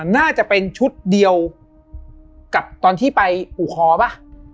น่าจะเป็นชุดเดียวกับตอนที่ไปอูคอป่ะ